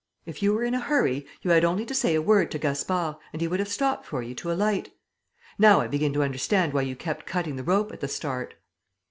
"If you were in a hurry, you had only to say a word to Gaspard and he would have stopped for you to alight. Now I begin to understand why you kept cutting the rope at the start."